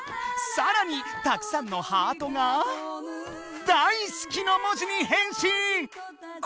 さらにたくさんのハートが「大好き」の文字にへんしん！